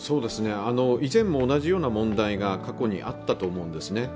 以前も同じような問題が過去にあったと思うんですね。